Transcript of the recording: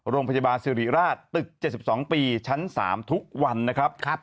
โรงพยาบาลสิริราชตึก๗๒ปีชั้น๓ทุกวันนะครับ